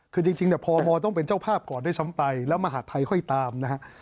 คือจริงเนี่ยพมต้องเป็นเจ้าภาพก่อนด้วยซ้ำไปแล้วมหาดไทยค่อยตามนะฮะ